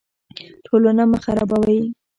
ټولنه مه خرابوئ